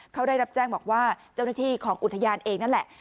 เขาได้รับแจ้งบอกว่าเจ้าหน้าที่ของอุทยานเองนั่นแหละ